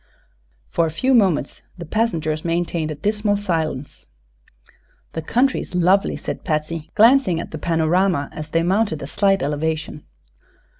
For a few moments the passengers maintained a dismal silence. "The country's lovely," said Patsy, glancing at the panorama as they mounted a slight elevation.